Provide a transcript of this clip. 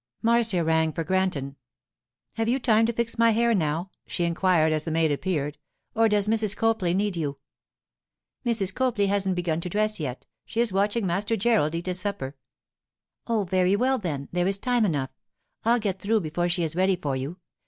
Marcia rang for Granton. 'Have you time to fix my hair now?' she inquired as the maid appeared, 'or does Mrs. Copley need you?' 'Mrs. Copley hasn't begun to dress yet; she is watching Master Gerald eat his supper.' 'Oh, very well, then, there is time enough; I'll get through before she is ready for you.